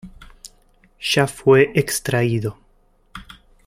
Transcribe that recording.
Ya fue extraído.